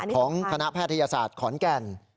ของคณะแพทยศาสตร์ขอนแก่น